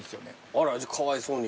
あらかわいそうに。